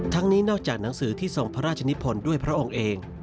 นี้นอกจากหนังสือที่ทรงพระราชนิพลด้วยพระองค์เอง